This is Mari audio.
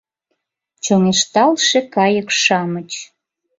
— Чоҥешталше кайык-шамыч